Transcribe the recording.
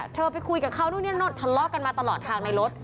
เธอไปคุยกับเขาทะเลาะกันมาตลอดทางในรถ